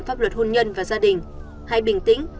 pháp luật hôn nhân và gia đình hay bình tĩnh